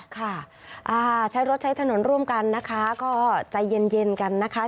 ค่ะใช้รถใช้ถนนร่วมกันนะคะก็ใจเย็นกันนะคะ